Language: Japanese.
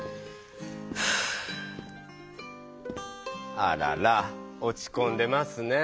あららおちこんでますねぇ。